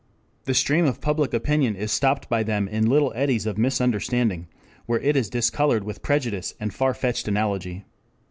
The stream of public opinion is stopped by them in little eddies of misunderstanding, where it is discolored with prejudice and far fetched analogy.